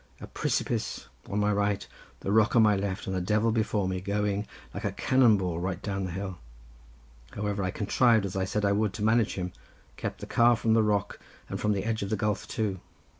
A pree si pice on my right, the rock on my left, and a devil before me, going, like a cannon ball, right down the hill. However, I contrived, as I said I would, to manage him; kept the car from the rock and from the edge of the gulf too.